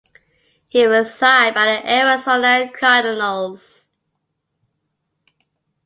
He was signed by the Arizona Cardinals.